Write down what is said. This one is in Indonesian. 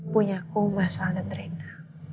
punya aku masalah dendrina